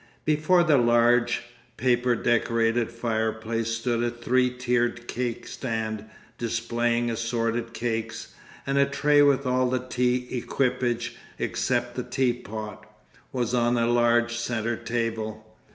Before the large, paper decorated fireplace stood a three tiered cake stand displaying assorted cakes, and a tray with all the tea equipage except the teapot, was on the large centre table.